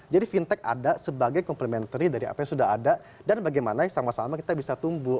jadi fintech ada sebagai complementary dari apa yang sudah ada dan bagaimana sama sama kita bisa tumbuh